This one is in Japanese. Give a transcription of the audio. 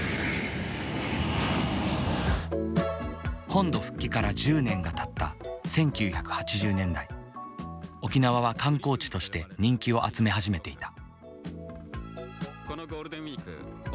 本土復帰から１０年がたった１９８０年代沖縄は観光地として人気を集め始めていた。